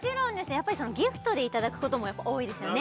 やっぱりギフトでいただくことも多いですよね